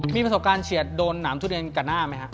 มีประสบการณ์เฉียดโดนหนามทุเรียนกับหน้าไหมครับ